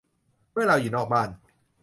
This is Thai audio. เมื่อเราอยู่นอกบ้าน